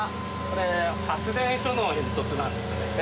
これ発電所の煙突なんです。